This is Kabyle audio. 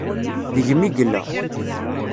Deg-m i yella.